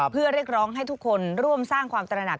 เพื่อเรียกร้องให้ทุกคนร่วมสร้างความตระหนัก